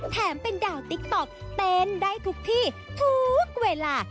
แถมเป็นดาวติ๊กต๊อกเต้นได้ทุกที่ทุกเวลา